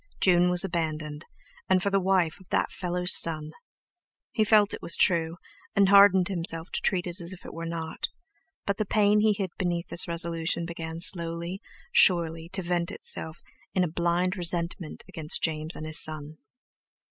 June was abandoned, and for the wife of that fellow's son! He felt it was true, and hardened himself to treat it as if it were not; but the pain he hid beneath this resolution began slowly, surely, to vent itself in a blind resentment against James and his son.